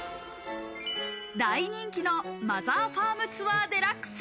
大人気のマザーファームツアーＤＸ。